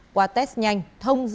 qua test nhanh thông dự